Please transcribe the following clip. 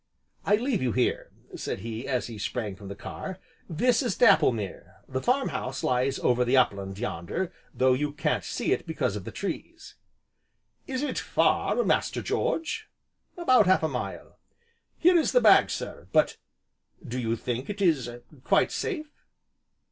"I leave you here," said he as he sprang from the car, "this is Dapplemere, the farmhouse lies over the up land, yonder, though you can't see it because of the trees." "Is it far, Master George?" "About half a mile." "Here is the bag, sir; but do you think it is quite safe